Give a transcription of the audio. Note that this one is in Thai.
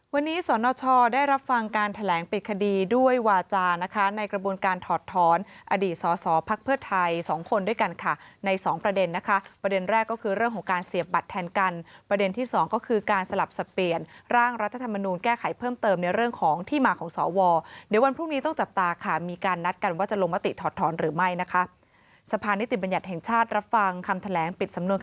วันนี้สนชอได้รับฟังการแถลงปิดคดีด้วยวาจาร์นะคะในกระบวนการถอดถอนอดีตสอสอภักดิ์เพื่อไทยสองคนด้วยกันค่ะในสองประเด็นนะคะประเด็นแรกก็คือเรื่องของการเสียบัตรแทนกันประเด็นที่สองก็คือการสลับสะเปียนร่างรัฐธรรมนุนแก้ไขเพิ่มเติมในเรื่องของที่มาของสอวอเดี๋ยววันพรุ่งนี้ต้องจับตาค่